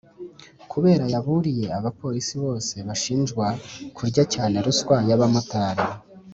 Kabera yaburiye abapolisi bose bashinjwa kurya cyane ruswa y’abamotari